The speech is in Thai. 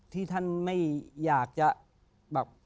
ที่ท่านไม่อยากจะแบบ